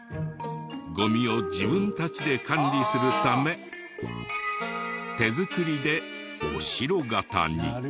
ゴミを自分たちで管理するため手作りでお城形に。